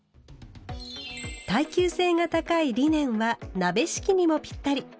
耐久性が高いリネンは「鍋敷き」にもぴったり。